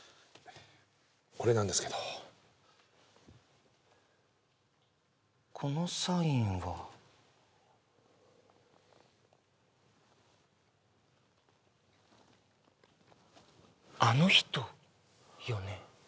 これなんですけどこのサインはあの人よね？